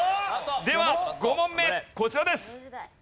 では５問目こちらです。